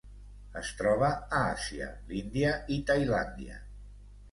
Es troba a Àsia: l'Índia i Tailàndia.